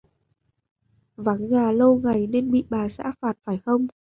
Vắng nhà lâu ngày nên là bị bà xã phạt phải không